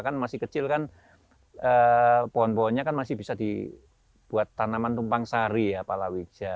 kan masih kecil kan pohon pohonnya kan masih bisa dibuat tanaman tumpang sari ya palawija